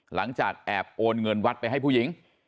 หลังจากแอบโอนเงินวัดไปให้ผู้หญิง